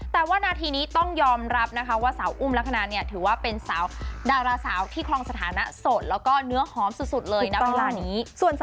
แต่ว่านาทีนี้ต้องยอมรับนะคะว่าสาวอุ้มลักษณะเนี่ยถือว่าเป็นสาวดาราสาวที่คลองสถานะโสดแล้วก็เนื้อหอมสุดเลยนะเวลานี้